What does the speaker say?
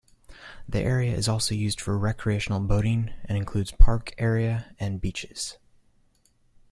The area is also used for recreational boating and includes park area and beaches.